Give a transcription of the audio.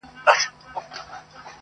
شعر ماښامی یو څو روپۍ او سګرټ -